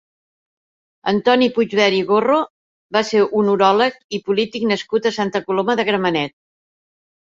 Antoni Puigvert i Gorro va ser un uròleg i polític nascut a Santa Coloma de Gramenet.